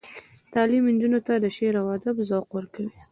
تعلیم نجونو ته د شعر او ادب ذوق ورکوي.